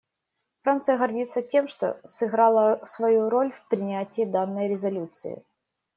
Франция гордится тем, что сыграла свою роль в принятии данной резолюции.